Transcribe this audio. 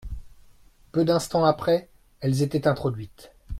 Peu d'instants après, elles étaient introduites.